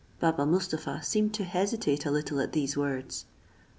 Baba Mustapha seemed to hesitate a little at these words.